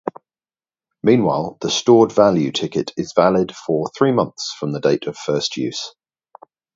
Meanwhile, the stored-value ticket is valid for three months from date of first use.